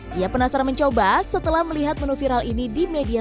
dia penasar mencoba setelah melihat menu viral ini di mediapart